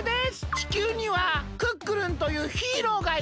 地球にはクックルンというヒーローがいます。